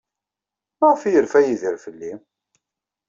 Maɣef ay yerfa Yidir fell-i?